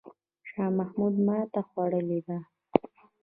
شاه محمود ماته خوړلې ده.